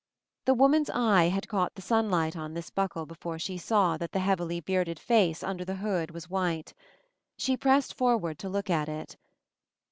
The woman's eye had caught the sunlight on this buckle before she saw that the heav ily bearded face under the hood was white. She pressed forward to look at it.